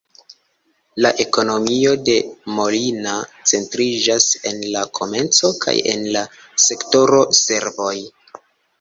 La ekonomio de Molina centriĝas en la komerco kaj en la sektoro servoj.